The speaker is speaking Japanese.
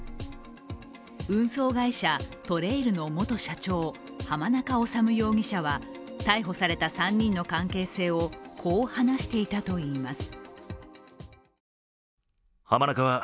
運送会社・ＴＲＡＩＬの元社長・浜中治容疑者は逮捕された３人の関係性を、こう話していたといいます。